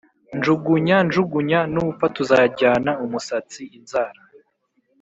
Njugunya njugunya nupfa tuzajyana-Umusatsi - Inzara.